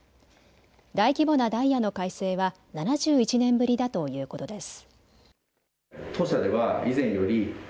大規模なダイヤの改正は７１年ぶりだということです。